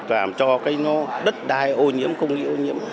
làm cho cái đất đai ô nhiễm không bị ô nhiễm